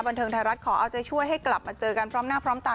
บันเทิงไทยรัฐขอเอาใจช่วยให้กลับมาเจอกันพร้อมหน้าพร้อมตา